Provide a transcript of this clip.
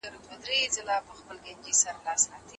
کمېسیونونه له وزارتونو سره څنګه اړیکه نیسي؟